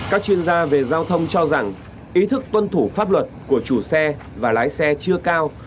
các chuyên gia về giao thông cho rằng ý thức tuân thủ pháp luật của chủ xe và lái xe chưa cao